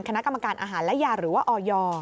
คณะกรรมการอาหารและยาหรือว่าออย